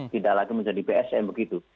tidak lagi menjadi psm begitu